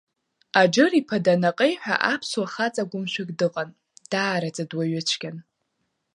Аџыр-иԥа Данаҟеи ҳәа аԥсуа хаҵа гәымшәак дыҟан, даараӡа дуаҩы цәгьан.